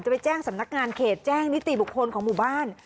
ไปแจ้งสำนักงานเขตแจ้งนิติบุคคลของหมู่บ้าน